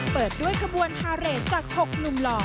เปิดด้วยขบวนฮาเรทจาก๖หนุ่มหล่อ